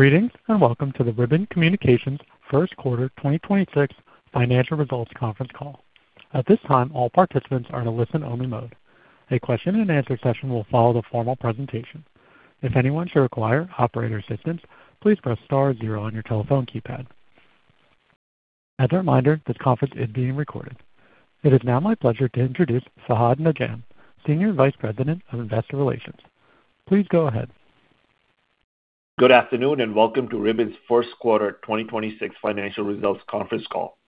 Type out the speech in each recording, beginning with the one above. Greetings, welcome to the Ribbon Communications first quarter 2026 financial results conference call. At this time, all participants are in a listen-only mode. A question and answer session will follow the formal presentation. If anyone should require operator assistance, please press star zero on your telephone keypad. As a reminder, this conference is being recorded. It is now my pleasure to introduce Fahad Najam, Senior Vice President of Investor Relations. Please go ahead. Good afternoon, and welcome to Ribbon's first quarter 2026 financial results conference call.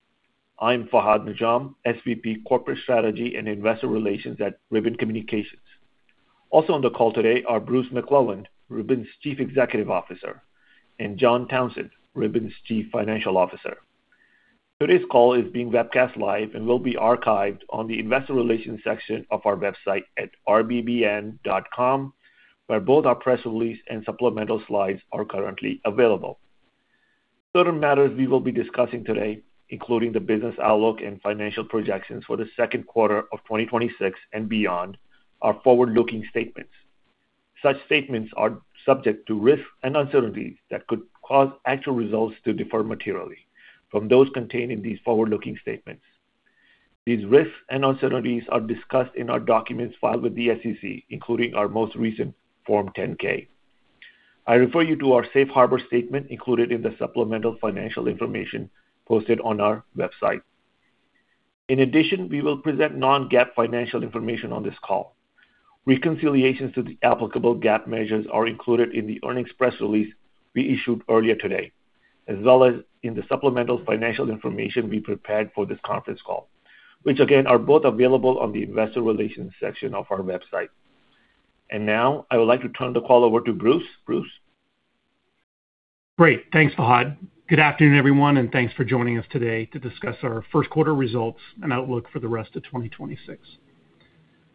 I'm Fahad Najam, SVP Corporate Strategy and Investor Relations at Ribbon Communications. Also on the call today are Bruce McClelland, Ribbon's Chief Executive Officer, and John Townsend, Ribbon's Chief Financial Officer. Today's call is being webcast live and will be archived on the investor relations section of our website at rbbn.com, where both our press release and supplemental slides are currently available. Certain matters we will be discussing today, including the business outlook and financial projections for the second quarter of 2026 and beyond, are forward-looking statements. Such statements are subject to risk and uncertainties that could cause actual results to differ materially from those contained in these forward-looking statements. These risks and uncertainties are discussed in our documents filed with the SEC, including our most recent Form 10-K. I refer you to our Safe Harbor statement included in the supplemental financial information posted on our website. In addition, we will present non-GAAP financial information on this call. Reconciliations to the applicable GAAP measures are included in the earnings press release we issued earlier today, as well as in the supplemental financial information we prepared for this conference call, which again are both available on the investor relations section of our website. Now, I would like to turn the call over to Bruce. Bruce. Great. Thanks, Fahad. Good afternoon, everyone, and thanks for joining us today to discuss our first quarter results and outlook for the rest of 2026.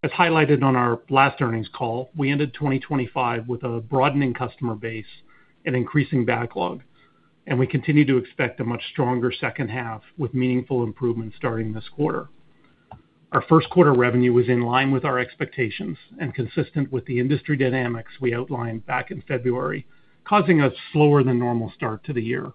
As highlighted on our last earnings call, we ended 2025 with a broadening customer base and increasing backlog, and we continue to expect a much stronger second half with meaningful improvements starting this quarter. Our first quarter revenue was in line with our expectations and consistent with the industry dynamics we outlined back in February, causing a slower than normal start to the year.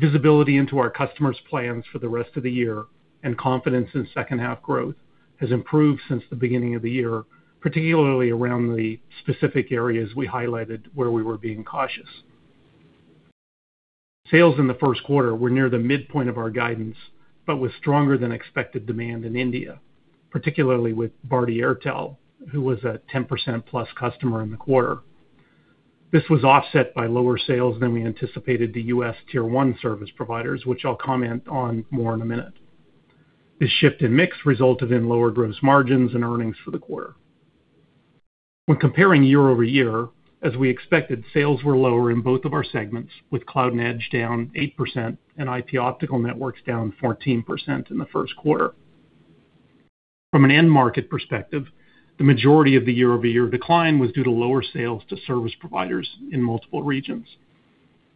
Visibility into our customers' plans for the rest of the year and confidence in second half growth has improved since the beginning of the year, particularly around the specific areas we highlighted where we were being cautious. Sales in the first quarter were near the midpoint of our guidance, with stronger than expected demand in India, particularly with Bharti Airtel, who was a 10% plus customer in the quarter. This was offset by lower sales than we anticipated the U.S. tier one service providers, which I'll comment on more in a minute. This shift in mix resulted in lower gross margins and earnings for the quarter. When comparing year-over-year, as we expected, sales were lower in both of our segments, with Cloud & Edge down 8% and IP Optical Networks down 14% in the first quarter. From an end market perspective, the majority of the year-over-year decline was due to lower sales to service providers in multiple regions.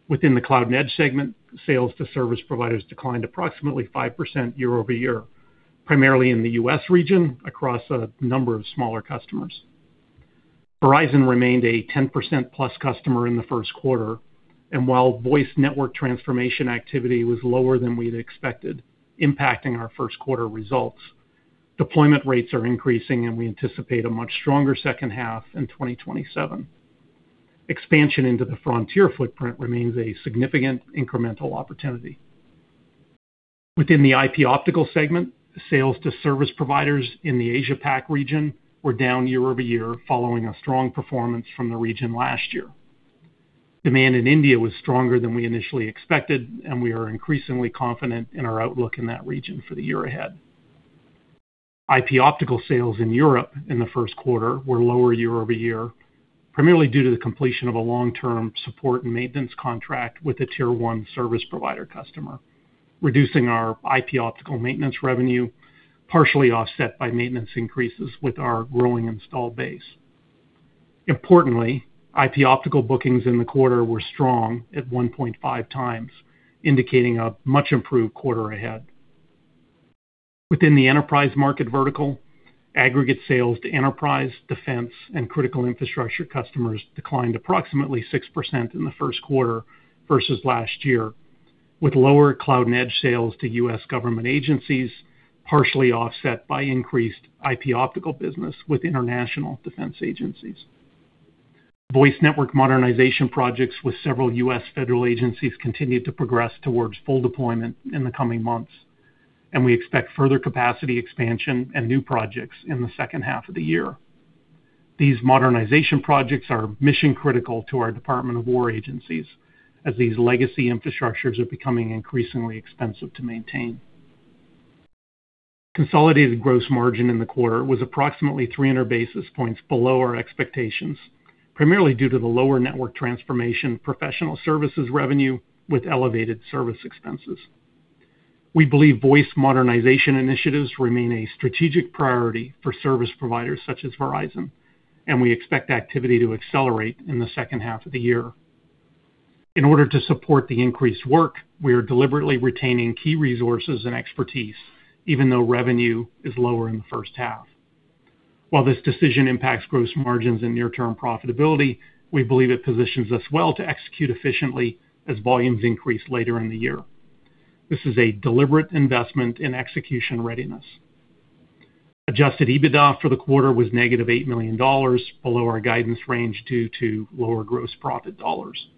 Within the Cloud & Edge segment, sales to service providers declined approximately 5% year-over-year, primarily in the U.S. region across a number of smaller customers. Verizon remained a 10%+ customer in the first quarter. While voice network transformation activity was lower than we'd expected, impacting our first quarter results, deployment rates are increasing, and we anticipate a much stronger second half in 2026. Expansion into the Frontier footprint remains a significant incremental opportunity. Within the IP Optical segment, sales to service providers in the Asia PAC region were down year-over-year following a strong performance from the region last year. Demand in India was stronger than we initially expected, and we are increasingly confident in our outlook in that region for the year ahead. IP Optical sales in Europe in the first quarter were lower year-over-year, primarily due to the completion of a long-term support and maintenance contract with a tier-one service provider customer, reducing our IP Optical maintenance revenue, partially offset by maintenance increases with our growing installed base. Importantly, IP Optical bookings in the quarter were strong at 1.5x, indicating a much improved quarter ahead. Within the enterprise market vertical, aggregate sales to enterprise, defense, and critical infrastructure customers declined approximately 6% in the first quarter versus last year, with lower Cloud & Edge sales to U.S. government agencies, partially offset by increased IP Optical business with international defense agencies. Voice network modernization projects with several U.S. federal agencies continued to progress towards full deployment in the coming months, and we expect further capacity expansion and new projects in the second half of the year. These modernization projects are mission critical to our Department of Defense agencies as these legacy infrastructures are becoming increasingly expensive to maintain. Consolidated gross margin in the quarter was approximately 300 basis points below our expectations, primarily due to the lower network transformation professional services revenue with elevated service expenses. We believe voice modernization initiatives remain a strategic priority for service providers such as Verizon, and we expect activity to accelerate in the second half of the year. In order to support the increased work, we are deliberately retaining key resources and expertise even though revenue is lower in the first half. While this decision impacts gross margins and near-term profitability, we believe it positions us well to execute efficiently as volumes increase later in the year. This is a deliberate investment in execution readiness. Adjusted EBITDA for the quarter was -$8 million below our guidance range due to lower gross profit dollars.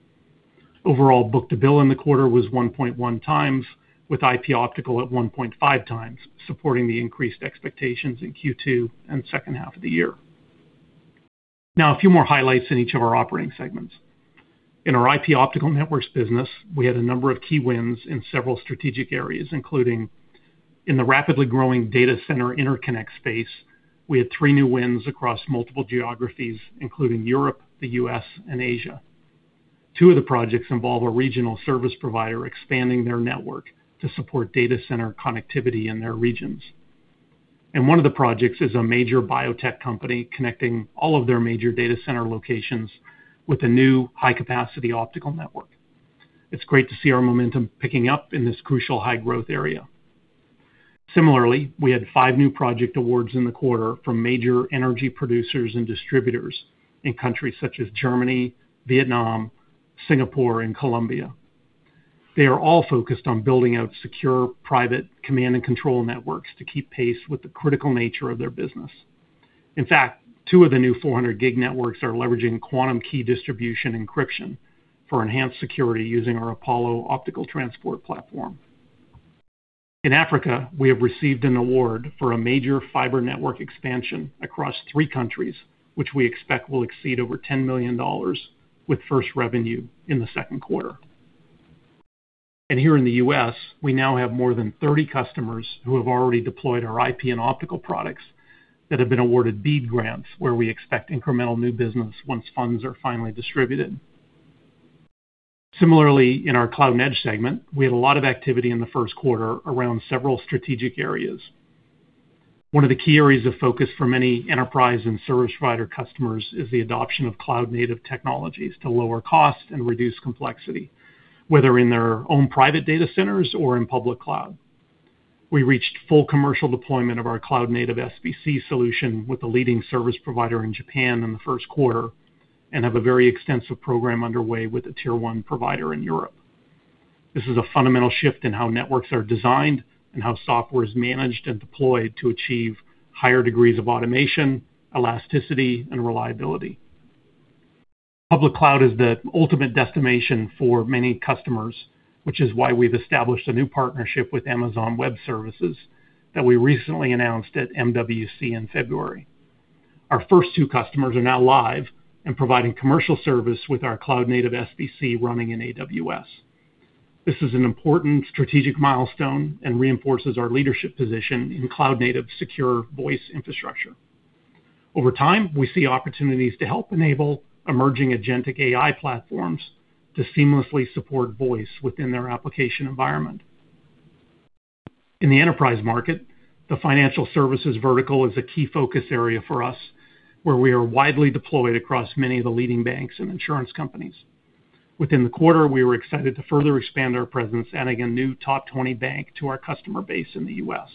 Overall book-to-bill in the quarter was 1.1x, with IP Optical at 1.5x, supporting the increased expectations in Q2 and second half of the year. Now a few more highlights in each of our operating segments. In our IP Optical Networks business, we had a number of key wins in several strategic areas, including in the rapidly growing Data Center Interconnect space, we had three new wins across multiple geographies, including Europe, the U.S., and Asia. Two of the projects involve a regional service provider expanding their network to support data center connectivity in their regions. One of the projects is a major biotech company connecting all of their major data center locations with a new high-capacity optical network. It's great to see our momentum picking up in this crucial high-growth area. Similarly, we had five new project awards in the quarter from major energy producers and distributors in countries such as Germany, Vietnam, Singapore, and Colombia. They are all focused on building out secure private command and control networks to keep pace with the critical nature of their business. In fact, two of the new 400 Gb networks are leveraging quantum key distribution encryption for enhanced security using our Apollo optical transport platform. In Africa, we have received an award for a major fiber network expansion across three countries, which we expect will exceed over $10 million with first revenue in the second quarter. Here in the U.S., we now have more than 30 customers who have already deployed our IP and optical products that have been awarded BEAD grants, where we expect incremental new business once funds are finally distributed. Similarly, in Cloud & Edge segment, we had a lot of activity in the first quarter around several strategic areas. One of the key areas of focus for many enterprise and service provider customers is the adoption of cloud-native technologies to lower cost and reduce complexity, whether in their own private data centers or in public cloud. We reached full commercial deployment of our cloud-native SBC solution with a leading service provider in Japan in the first quarter and have a very extensive program underway with a tier one provider in Europe. This is a fundamental shift in how networks are designed and how software is managed and deployed to achieve higher degrees of automation, elasticity, and reliability. Public cloud is the ultimate destination for many customers, which is why we've established a new partnership with Amazon Web Services that we recently announced at MWC in February. Our first two customers are now live and providing commercial service with our cloud-native SBC running in AWS. This is an important strategic milestone and reinforces our leadership position in cloud-native secure voice infrastructure. Over time, we see opportunities to help enable emerging agentic AI platforms to seamlessly support voice within their application environment. In the enterprise market, the financial services vertical is a key focus area for us, where we are widely deployed across many of the leading banks and insurance companies. Within the quarter, we were excited to further expand our presence, adding a new top 20 bank to our customer base in the U.S.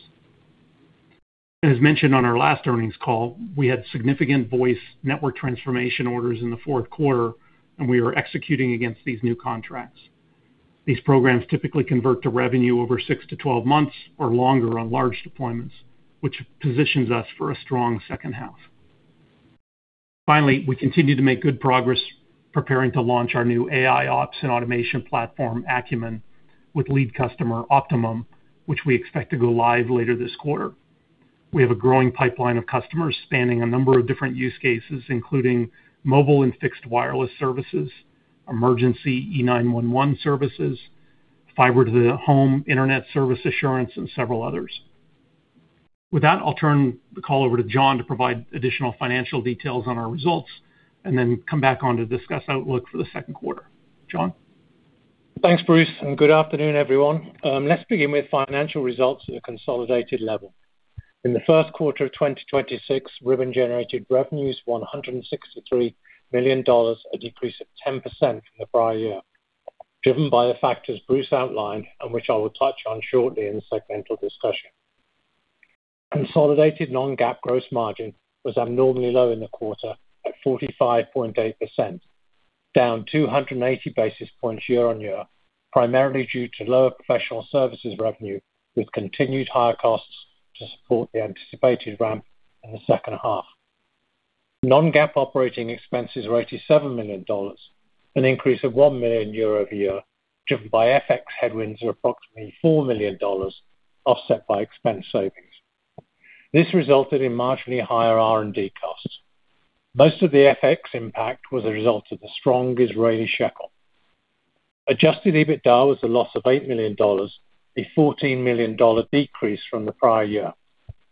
As mentioned on our last earnings call, we had significant voice network transformation orders in the fourth quarter, and we are executing against these new contracts. These programs typically convert to revenue over six to 12 months or longer on large deployments, which positions us for a strong second half. Finally, we continue to make good progress preparing to launch our new AIOps and Automation platform, Acumen, with lead customer Optimum, which we expect to go live later this quarter. We have a growing pipeline of customers spanning a number of different use cases, including mobile and fixed wireless services, emergency E911 services, fiber to the home internet service assurance, and several others. With that, I'll turn the call over to John to provide additional financial details on our results and then come back on to discuss outlook for the second quarter. John? Thanks, Bruce, and good afternoon, everyone. Let's begin with financial results at a consolidated level. In the first quarter of 2026, Ribbon generated revenues $163 million, a decrease of 10% from the prior year, driven by the factors Bruce outlined and which I will touch on shortly in the segmental discussion. Consolidated non-GAAP gross margin was abnormally low in the quarter at 45.8%, down 280 basis points year-on-year, primarily due to lower professional services revenue with continued higher costs to support the anticipated ramp in the second half. Non-GAAP operating expenses were $87 million, an increase of $1 million year-over-year, driven by FX headwinds of approximately $4 million, offset by expense savings. This resulted in marginally higher R&D costs. Most of the FX impact was a result of the strong Israeli shekel. Adjusted EBITDA was a loss of $8 million, a $14 million decrease from the prior year,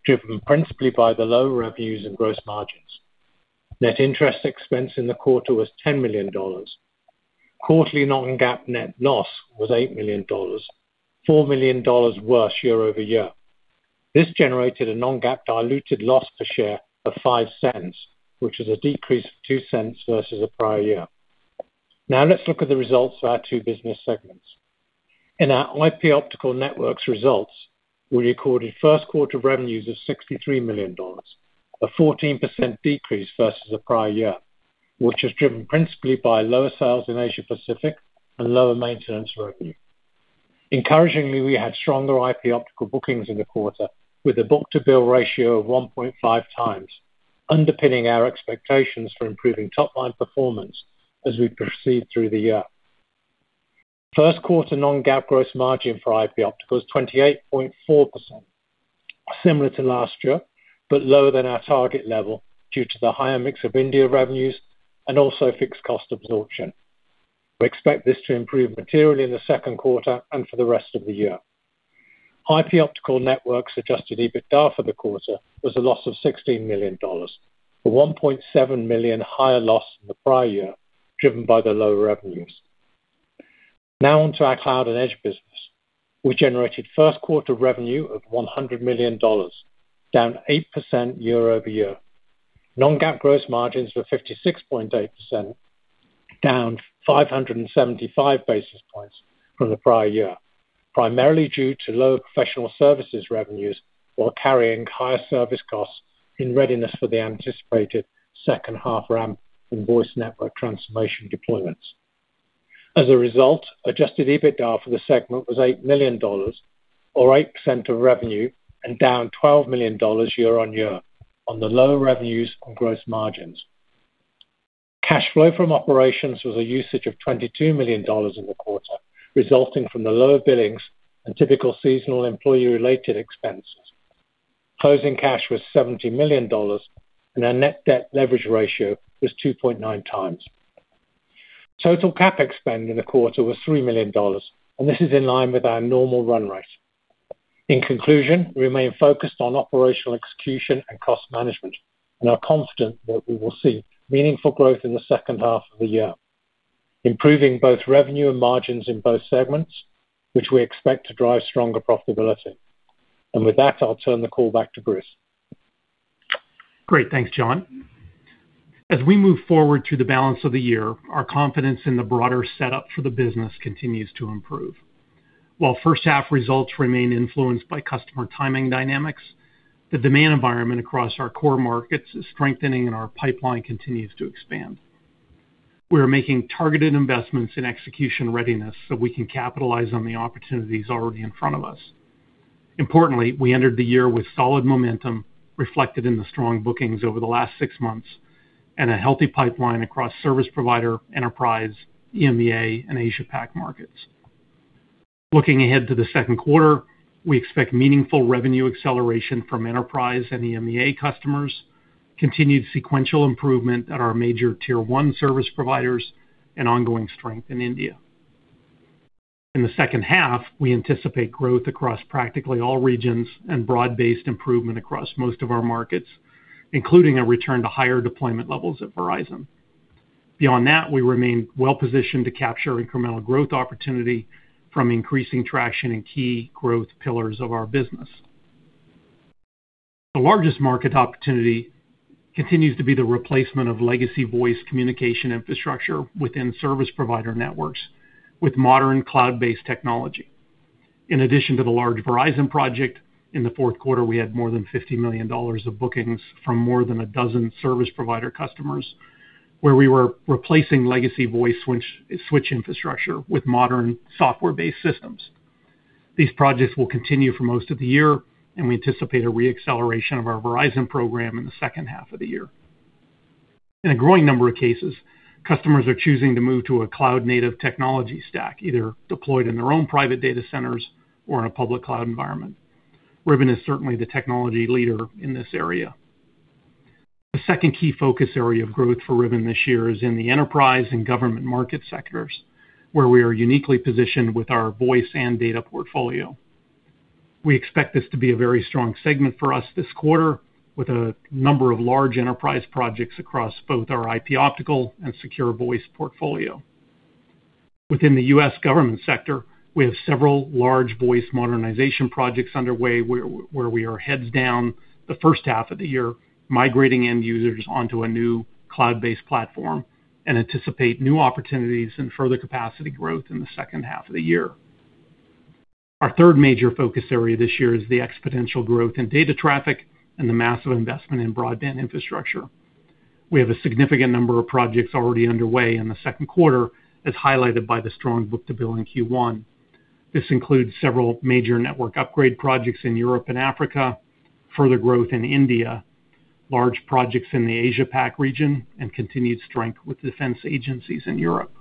driven principally by the lower revenues and gross margins. Net interest expense in the quarter was $10 million. Quarterly non-GAAP net loss was $8 million, $4 million worse year-over-year. This generated a non-GAAP diluted loss per share of $0.05, which is a decrease of $0.02 versus the prior year. Now let's look at the results for our two business segments. In our IP Optical Networks results, we recorded first quarter revenues of $63 million, a 14% decrease versus the prior year, which is driven principally by lower sales in Asia Pacific and lower maintenance revenue. Encouragingly, we had stronger IP Optical bookings in the quarter, with a book-to-bill ratio of 1.5x, underpinning our expectations for improving top-line performance as we proceed through the year. First quarter non-GAAP gross margin for IP Optical is 28.4%, similar to last year, but lower than our target level due to the higher mix of India revenues and also fixed cost absorption. We expect this to improve materially in the second quarter and for the rest of the year. IP Optical Networks adjusted EBITDA for the quarter was a loss of $16 million, a $1.7 million higher loss than the prior year, driven by the low revenues. Now on to our Cloud & Edge business. We generated first quarter revenue of $100 million, down 8% year-over-year. Non-GAAP gross margins were 56.8%, down 575 basis points from the prior year, primarily due to lower professional services revenues while carrying higher service costs in readiness for the anticipated second-half ramp in voice network transformation deployments. As a result, adjusted EBITDA for the segment was $8 million, or 8% of revenue, and down $12 million year-over-year on the lower revenues and gross margins. Cash flow from operations was a usage of $22 million in the quarter, resulting from the lower billings and typical seasonal employee-related expenses. Closing cash was $70 million, and our net debt leverage ratio was 2.9x. Total CapEx spend in the quarter was $3 million, and this is in line with our normal run rate. In conclusion, we remain focused on operational execution and cost management and are confident that we will see meaningful growth in the second half of the year, improving both revenue and margins in both segments, which we expect to drive stronger profitability. With that, I'll turn the call back to Bruce. Great. Thanks, John. As we move forward through the balance of the year, our confidence in the broader setup for the business continues to improve. While first half results remain influenced by customer timing dynamics, the demand environment across our core markets is strengthening and our pipeline continues to expand. We are making targeted investments in execution readiness so we can capitalize on the opportunities already in front of us. Importantly, we entered the year with solid momentum reflected in the strong bookings over the last six months and a healthy pipeline across service provider, enterprise, EMEA, and Asia PAC markets. Looking ahead to the second quarter, we expect meaningful revenue acceleration from enterprise and EMEA customers, continued sequential improvement at our major Tier 1 service providers, and ongoing strength in India. In the second half, we anticipate growth across practically all regions and broad-based improvement across most of our markets, including a return to higher deployment levels at Verizon. Beyond that, we remain well-positioned to capture incremental growth opportunity from increasing traction in key growth pillars of our business. The largest market opportunity continues to be the replacement of legacy voice communication infrastructure within service provider networks with modern cloud-based technology. In addition to the large Verizon project, in the fourth quarter, we had more than $50 million of bookings from more than 12 service provider customers, where we were replacing legacy voice switch infrastructure with modern software-based systems. These projects will continue for most of the year, and we anticipate a re-acceleration of our Ribbon program in the second half of the year. In a growing number of cases, customers are choosing to move to a cloud-native technology stack, either deployed in their own private data centers or in a public cloud environment. Ribbon is certainly the technology leader in this area. The second key focus area of growth for Ribbon this year is in the enterprise and government market sectors, where we are uniquely positioned with our voice and data portfolio. We expect this to be a very strong segment for us this quarter, with a number of large enterprise projects across both our IP optical and secure voice portfolio. Within the U.S. government sector, we have several large voice modernization projects underway where we are heads down the first half of the year, migrating end users onto a new cloud-based platform and anticipate new opportunities and further capacity growth in the second half of the year. Our third major focus area this year is the exponential growth in data traffic and the massive investment in broadband infrastructure. We have a significant number of projects already underway in the second quarter, as highlighted by the strong book-to-bill in Q1. This includes several major network upgrade projects in Europe and Africa, further growth in India, large projects in the Asia PAC region, and continued strength with defense agencies in Europe.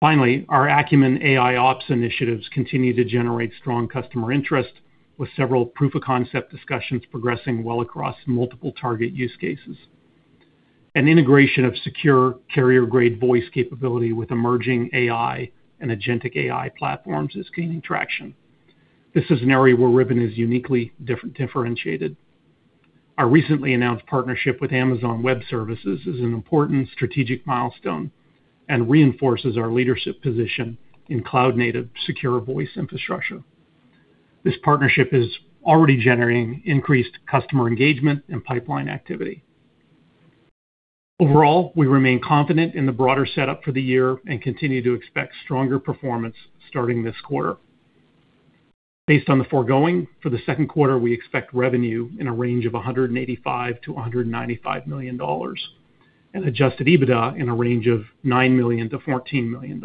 Finally, our Acumen AIOps initiatives continue to generate strong customer interest, with several proof-of-concept discussions progressing well across multiple target use cases. An integration of secure carrier-grade voice capability with emerging AI and agentic AI platforms is gaining traction. This is an area where Ribbon is uniquely differentiated. Our recently announced partnership with Amazon Web Services is an important strategic milestone and reinforces our leadership position in cloud-native secure voice infrastructure. This partnership is already generating increased customer engagement and pipeline activity. Overall, we remain confident in the broader setup for the year and continue to expect stronger performance starting this quarter. Based on the foregoing, for the second quarter, we expect revenue in a range of $185 million-$195 million and adjusted EBITDA in a range of $9 million-$14 million.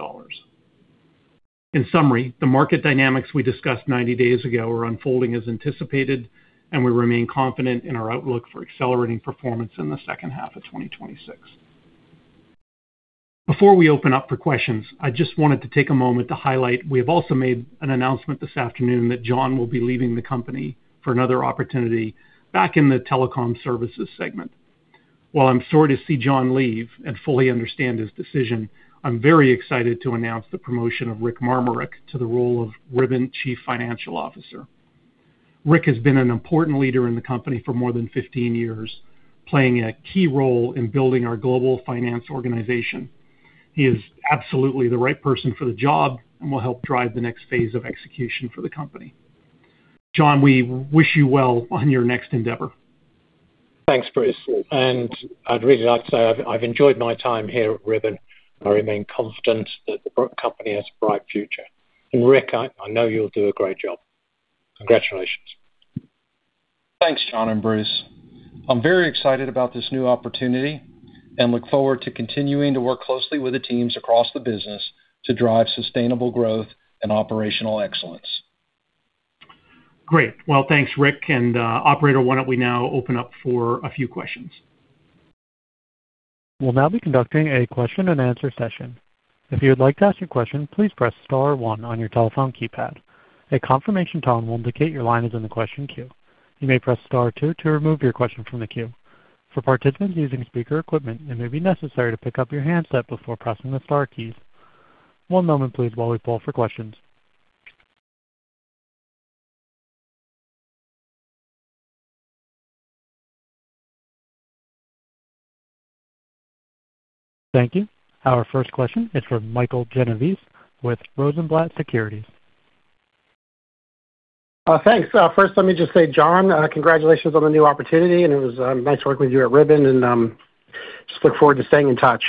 In summary, the market dynamics we discussed 90 days ago are unfolding as anticipated, and we remain confident in our outlook for accelerating performance in the second half of 2026. Before we open up for questions, I just wanted to take a moment to highlight we have also made an announcement this afternoon that John will be leaving the company for another opportunity back in the telecom services segment. While I'm sorry to see John leave and fully understand his decision, I'm very excited to announce the promotion of Rick Marmurek to the role of Ribbon Chief Financial Officer. Rick has been an important leader in the company for more than 15 years, playing a key role in building our global finance organization. He is absolutely the right person for the job and will help drive the next phase of execution for the company. John, we wish you well on your next endeavor. Thanks, Bruce. I'd really like to say I've enjoyed my time here at Ribbon. I remain confident that the company has a bright future. Rick, I know you'll do a great job. Congratulations. Thanks, John and Bruce. I'm very excited about this new opportunity and look forward to continuing to work closely with the teams across the business to drive sustainable growth and operational excellence. Great. Well, thanks, Rick. Operator, why don't we now open up for a few questions? We'll now be conducting a question and answer session. If you would like to ask your question, please press star one on your telephone keypad. A confirmation tone will indicate your line is in the question queue. You may press star two to remove your question from the queue. For participants using speaker equipment, it may be necessary to pick up your handset before pressing the star keys. One moment please while we poll for questions. Thank you. Our first question is from Michael Genovese with Rosenblatt Securities. Thanks. First let me just say, John, congratulations on the new opportunity. It was nice working with you at Ribbon and just look forward to staying in touch.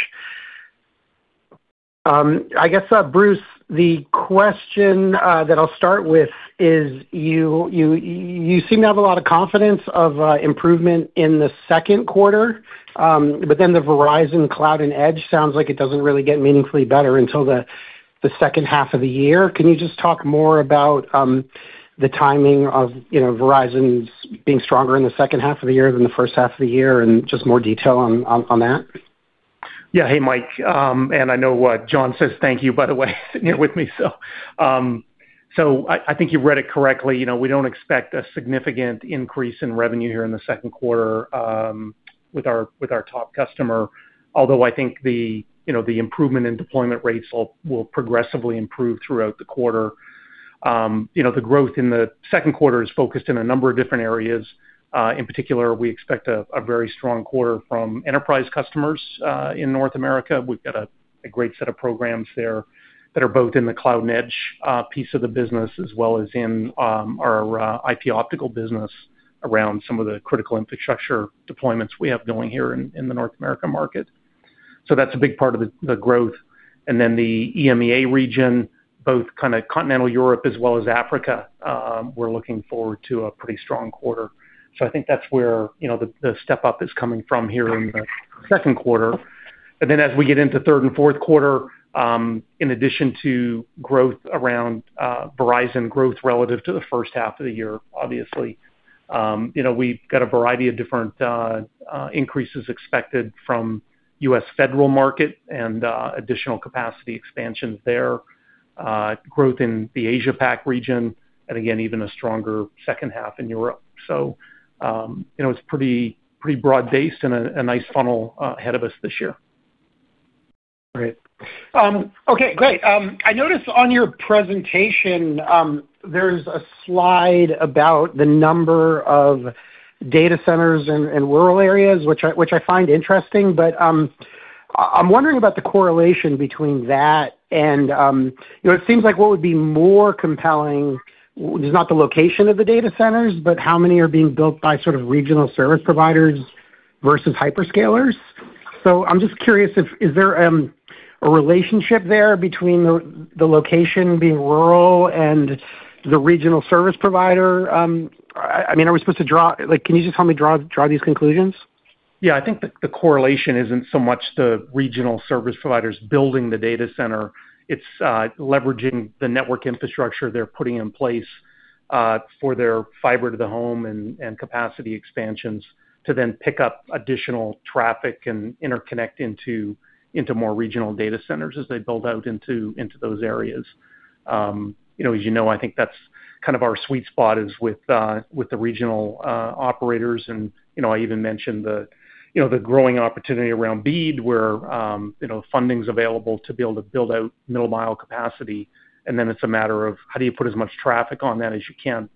I guess, Bruce, the question that I'll start with is you seem to have a lot of confidence of improvement in the second quarter. The Verizon Cloud & Edge sounds like it doesn't really get meaningfully better until the second half of the year. Can you just talk more about, you know, Verizon's being stronger in the second half of the year than the first half of the year and just more detail on that? Hey, Mike. I know what John says thank you, by the way, with me. I think you read it correctly. You know, we don't expect a significant increase in revenue here in the second quarter, with our top customer. Although I think the, you know, the improvement in deployment rates will progressively improve throughout the quarter. You know, the growth in the second quarter is focused in a number of different areas. In particular, we expect a very strong quarter from enterprise customers in North America. We've got a great set of programs there that are both in the Cloud & Edge piece of the business, as well as in our IP Optical Networks business around some of the critical infrastructure deployments we have going here in the North America market. That's a big part of the growth. The EMEA region, both kind of continental Europe as well as Africa, we're looking forward to a pretty strong quarter. I think that's where, you know, the step-up is coming from here in the second quarter. As we get into third and fourth quarter, in addition to growth around Verizon growth relative to the first half of the year, obviously, you know, we've got a variety of different increases expected from U.S. federal market and additional capacity expansions there, growth in the Asia PAC region and again, even a stronger second half in Europe. It's pretty broad-based and a nice funnel ahead of us this year. Great. Okay, great. I noticed on your presentation, there's a slide about the number of data centers in rural areas, which I find interesting, but I'm wondering about the correlation between that and, you know, it seems like what would be more compelling is not the location of the data centers, but how many are being built by sort of regional service providers versus hyperscalers? I'm just curious if there is a relationship there between the location being rural and the regional service provider? I mean, are we supposed to draw? Like, can you just help me draw these conclusions? I think the correlation isn't so much the regional service providers building the data center. It's leveraging the network infrastructure they're putting in place for their fiber to the home and capacity expansions to then pick up additional traffic and interconnect into more regional data centers as they build out into those areas. You know, as you know, I think that's kind of our sweet spot is with the regional operators and, you know, I even mentioned the, you know, the growing opportunity around BEAD where funding's available to be able to build out middle mile capacity. It's a matter of how do you put as much traffic on that as you can.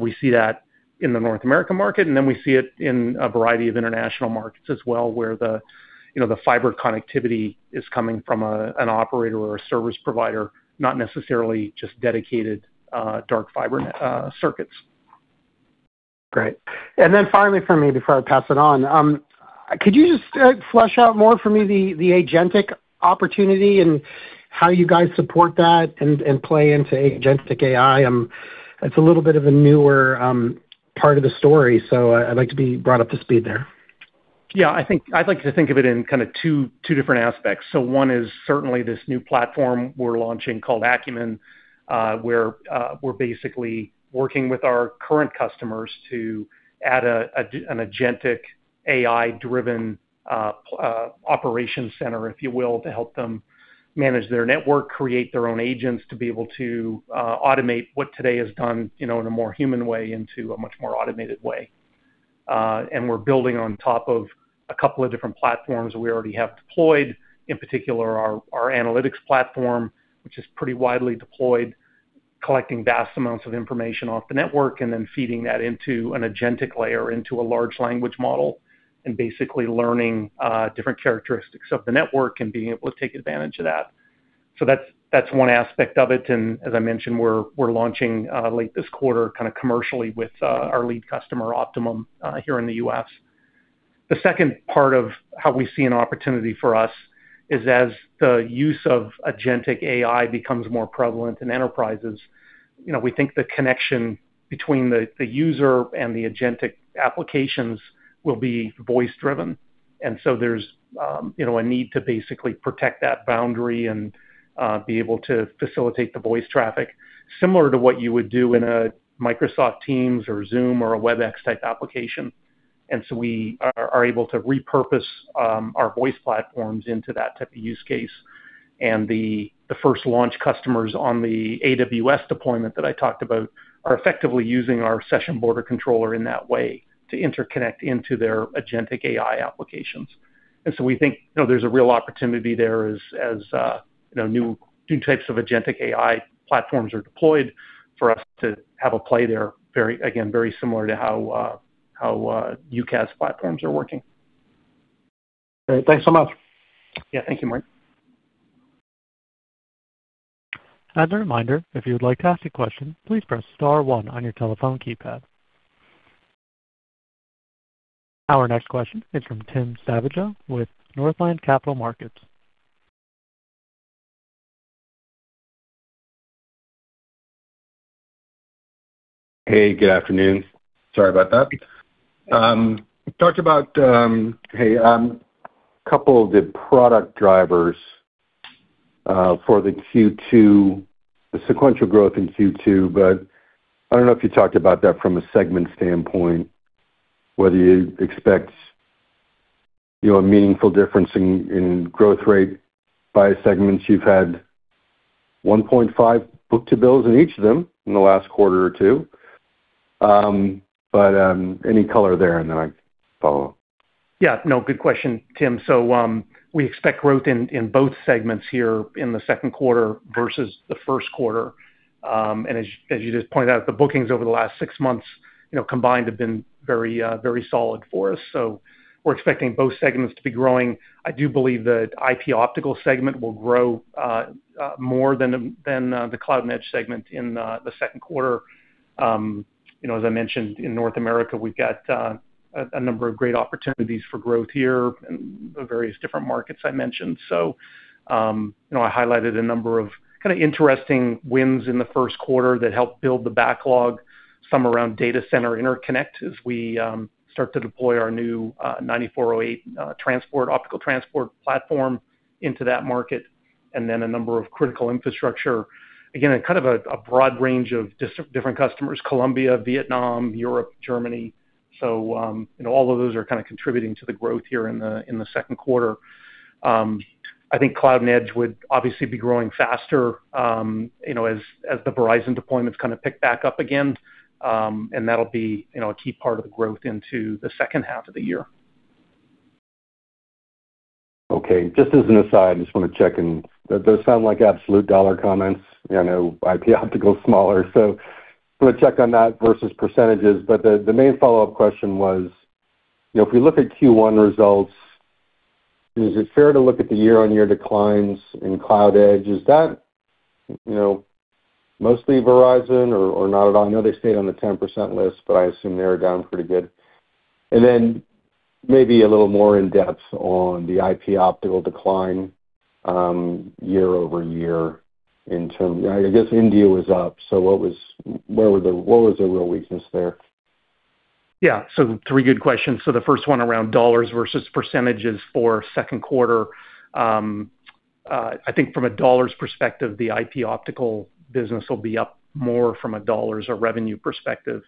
We see that in the North America market, and then we see it in a variety of international markets as well, where the, you know, the fiber connectivity is coming from an operator or a service provider, not necessarily just dedicated, dark fiber circuits. Great. Then finally from me before I pass it on, could you just flesh out more for me the agentic opportunity and how you guys support that and play into agentic AI? It's a little bit of a newer part of the story, so I'd like to be brought up to speed there. I'd like to think of it in kind of two different aspects. One is certainly this new platform we're launching called Acumen, where we're basically working with our current customers to add an agentic AI-driven operations center, if you will, to help them manage their network, create their own agents to be able to automate what today is done, you know, in a more human way into a much more automated way. We're building on top of a couple of different platforms we already have deployed, in particular our analytics platform, which is pretty widely deployed, collecting vast amounts of information off the network and then feeding that into an agentic layer, into a large language model, and basically learning different characteristics of the network and being able to take advantage of that. That's, that's one aspect of it. As I mentioned, we're launching late this quarter kinda commercially with our lead customer, Optimum, here in the U.S. The second part of how we see an opportunity for us is as the use of agentic AI becomes more prevalent in enterprises, you know, we think the connection between the user and the agentic applications will be voice driven. There's, you know, a need to basically protect that boundary and be able to facilitate the voice traffic, similar to what you would do in a Microsoft Teams or Zoom or a Webex type application. We are able to repurpose our voice platforms into that type of use case. The first launch customers on the AWS deployment that I talked about are effectively using our session border controller in that way to interconnect into their agentic AI applications. We think, you know, there's a real opportunity there as, you know, new types of agentic AI platforms are deployed for us to have a play there very, again, very similar to how UCaaS platforms are working. Great. Thanks so much. Yeah. Thank you, Mike. As a reminder please press star one from your telephone keypad. Our next question is from Tim Savageaux with Northland Capital Markets. Hey, good afternoon. Sorry about that. You talked about couple of the product drivers for the Q2, the sequential growth in Q2, but I don't know if you talked about that from a segment standpoint, whether you expect, you know, a meaningful difference in growth rate by segments. You've had 1.5 book-to-bills in each of them in the last quarter or two. Any color there, and then I follow? Yeah. No, good question, Tim. We expect growth in both segments here in the second quarter versus the first quarter. As you just pointed out, the bookings over the last six months, you know, combined have been very solid for us. We're expecting both segments to be growing. I do believe the IP Optical segment will grow more than the Cloud & Edge segment in the second quarter. You know, as I mentioned, in North America, we've got a number of great opportunities for growth here in the various different markets I mentioned. You know, I highlighted a number of kinda interesting wins in the first quarter that helped build the backlog, some around data center interconnect as we start to deploy our new 9408 optical transport platform into that market, and then a number of critical infrastructure. Again, a kind of a broad range of different customers, Colombia, Vietnam, Europe, Germany. You know, all of those are kinda contributing to the growth here in the second quarter. I think Cloud & Edge would obviously be growing faster, you know, as the Verizon deployments kinda pick back up again. And that'll be, you know, a key part of the growth into the second half of the year. Okay. Just as an aside, I just wanna check in. Those sound like absolute dollar comments. I know IP Optical Networks is smaller, so I'm gonna check on that versus percentages. The main follow-up question was, you know, if we look at Q1 results, is it fair to look at the year-on-year declines Cloud & Edge? Is that, you know, mostly Verizon or not at all? I know they stayed on the 10% list, I assume they are down pretty good. Then maybe a little more in-depth on the IP Optical Networks decline, year-over-year. I guess India was up, so what was the real weakness there? Yeah. Three good questions. The first one around dollars versus percentages for second quarter. I think from a dollars perspective, the IP Optical Networks business will be up more from a dollars or revenue perspective.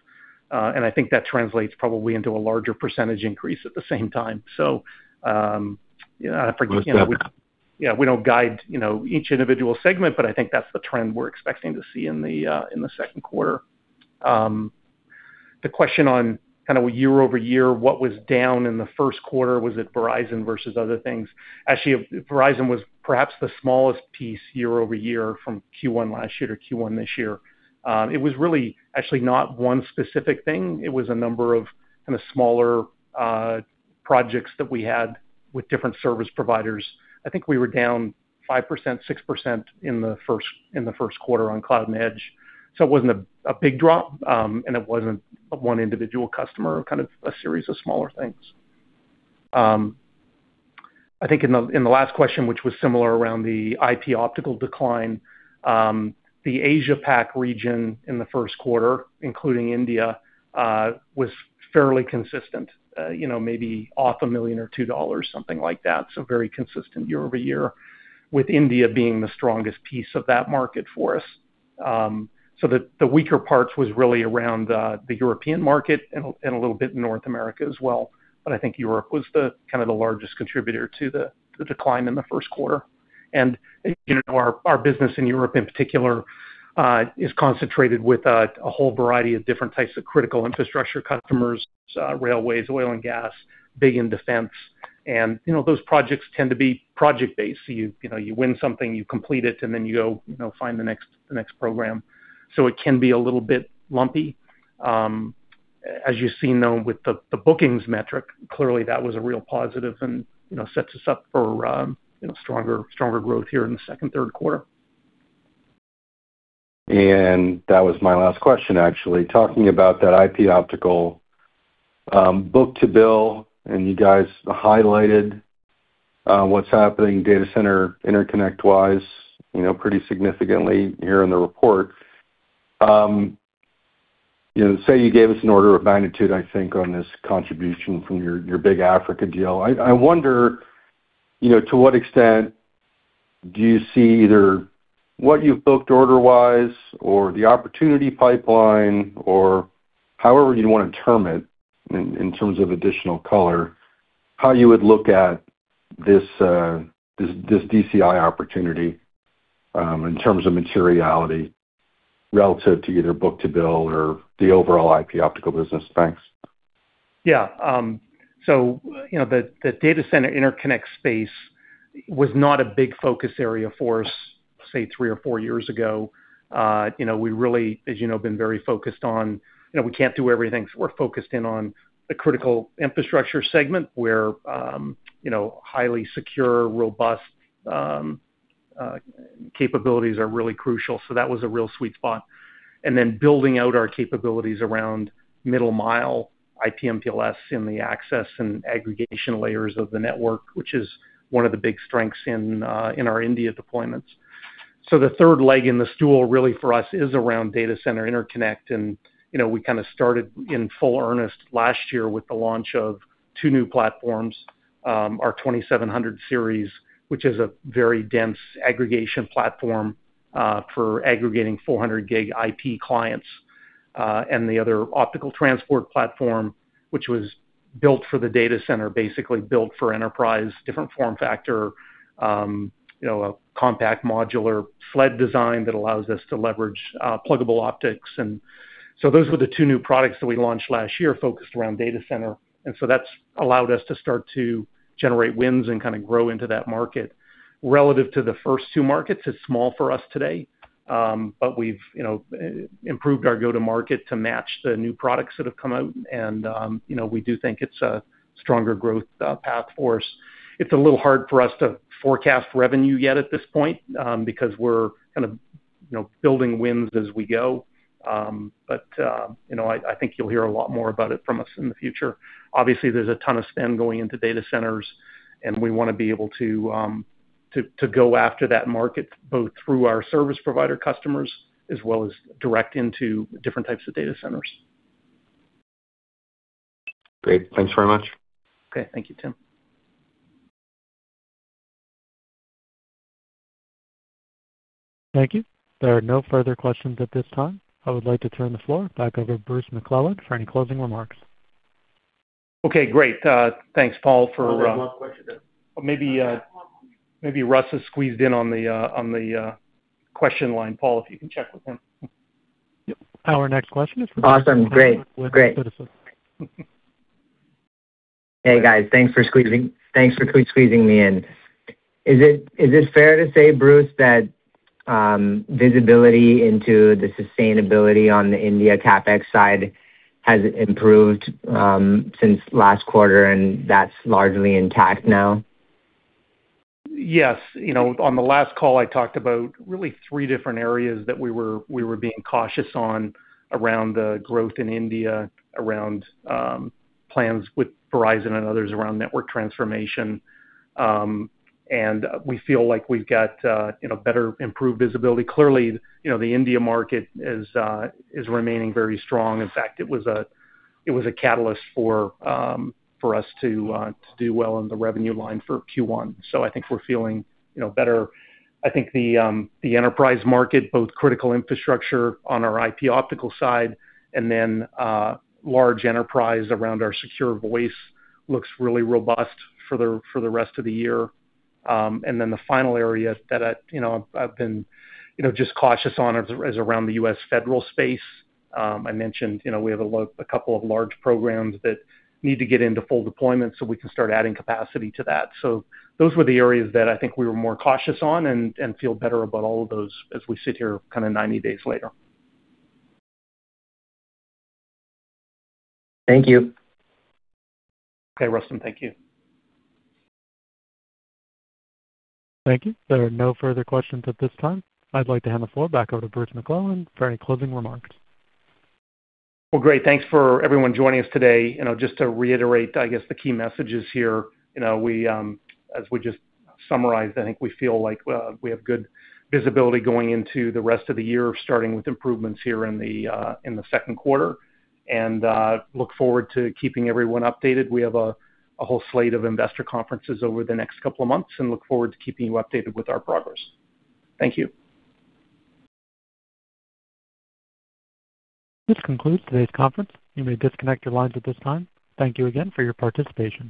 I think that translates probably into a larger percentage increase at the same time. Yeah, we don't guide, you know, each individual segment, but I think that's the trend we're expecting to see in the second quarter. The question on kind of year-over-year, what was down in the first quarter, was it Verizon versus other things. Actually, Verizon was perhaps the smallest piece year-over-year from Q1 last year to Q1 this year. It was really actually not one specific thing. It was a number of kind of smaller projects that we had with different service providers. I think we were down 5%, 6% in the first quarter on Cloud & Edge. It wasn't a big drop, and it wasn't one individual customer, kind of a series of smaller things. I think in the last question, which was similar around the IP Optical decline, the Asia PAC region in the first quarter, including India, was fairly consistent. You know, maybe off $1 million or $2 million, something like that. Very consistent year-over-year, with India being the strongest piece of that market for us. The weaker parts was really around the European market and a little bit North America as well. I think Europe was the kind of the largest contributor to the decline in the first quarter. You know, our business in Europe, in particular, is concentrated with a whole variety of different types of critical infrastructure customers, railways, oil and gas, big in defense. You know, those projects tend to be project-based. You know, you win something, you complete it, and then you go, you know, find the next program. It can be a little bit lumpy. As you've seen, though, with the bookings metric, clearly that was a real positive and, you know, sets us up for, you know, stronger growth here in the second, third quarter. That was my last question, actually. Talking about that IP Optical book-to-bill, and you guys highlighted what's happening data center interconnect-wise, you know, pretty significantly here in the report. You know, say you gave us an order of magnitude, I think, on this contribution from your big Africa deal. I wonder, you know, to what extent do you see either what you've booked order-wise or the opportunity pipeline or however you'd wanna term it in terms of additional color, how you would look at this DCI opportunity in terms of materiality relative to either book-to-bill or the overall IP Optical business? Thanks. Yeah. You know, the data center interconnect space was not a big focus area for us, say, three or four years ago. You know, we really, as you know, have been very focused on. You know, we can't do everything, we're focused in on the critical infrastructure segment, where, you know, highly secure, robust, capabilities are really crucial. That was a real sweet spot. Building out our capabilities around middle mile, IP MPLS, and the access and aggregation layers of the network, which is one of the big strengths in our India deployments. The third leg in the stool really for us is around data center interconnect. You know, we kinda started in full earnest last year with the launch of two new platforms, our 2700 series, which is a very dense aggregation platform, for aggregating 400 Gb IP clients. The other optical transport platform, which was built for the data center, basically built for enterprise, different form factor, you know, a compact modular sled design that allows us to leverage pluggable optics. Those were the two new products that we launched last year focused around data center. That's allowed us to start to generate wins and kinda grow into that market. Relative to the first two markets, it's small for us today, but we've, you know, improved our go-to market to match the new products that have come out. You know, we do think it's a stronger growth path for us. It's a little hard for us to forecast revenue yet at this point, because we're kind of, you know, building wins as we go. You know, I think you'll hear a lot more about it from us in the future. Obviously, there's a ton of spend going into data centers, and we wanna be able to go after that market, both through our service provider customers as well as direct into different types of data centers. Great. Thanks very much. Okay. Thank you, Tim. Thank you. There are no further questions at this time. I would like to turn the floor back over to Bruce McClelland for any closing remarks. Okay, great. Thanks, Paul. Oh, there's one question there. Maybe, maybe Russ has squeezed in on the, on the, question line. Paul, if you can check with him. Yep. Our next question is from- Awesome. Great. Great. Hey, guys. Thanks for squeezing me in. Is it fair to say, Bruce, that visibility into the sustainability on the India CapEx side has improved since last quarter, and that's largely intact now? Yes. You know, on the last call, I talked about really three different areas that we were being cautious on around the growth in India, around plans with Verizon and others around network transformation. We feel like we've got, you know, better improved visibility. Clearly, you know, the India market is remaining very strong. In fact, it was a catalyst for us to do well in the revenue line for Q1. I think we're feeling, you know, better. I think the enterprise market, both critical infrastructure on our IP Optical side and then large enterprise around our secure voice looks really robust for the rest of the year. The final area that I, you know, I've been, you know, just cautious on is around the U.S. federal space. I mentioned, you know, we have a couple of large programs that need to get into full deployment, so we can start adding capacity to that. Those were the areas that I think we were more cautious on and feel better about all of those as we sit here kind of 90 days later. Thank you. Okay, Russ. Thank you. Thank you. There are no further questions at this time. I'd like to hand the floor back over to Bruce McClelland for any closing remarks. Well, great. Thanks for everyone joining us today. You know, just to reiterate, I guess the key messages here, you know, we, as we just summarized, I think we feel like we have good visibility going into the rest of the year, starting with improvements here in the second quarter. Look forward to keeping everyone updated. We have a whole slate of investor conferences over the next couple of months, and look forward to keeping you updated with our progress. Thank you. This concludes today's conference. You may disconnect your lines at this time. Thank you again for your participation.